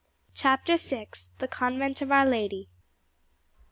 CHAPTER VI: The Convent of Our Lady.